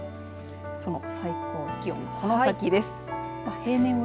その最高気温この先です。